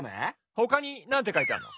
ほかになんてかいてあんの？